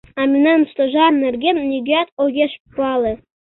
А мемнан Стожар нерген нигӧат огеш пале.